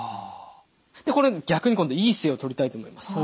でこれ逆に今度いい姿勢をとりたいと思います。